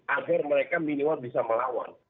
agar mereka minimal bisa melawan